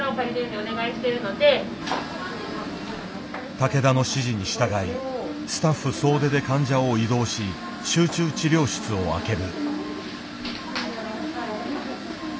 竹田の指示に従いスタッフ総出で患者を移動し集中治療室を空ける。